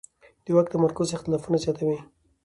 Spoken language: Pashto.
د واک تمرکز اختلافونه زیاتوي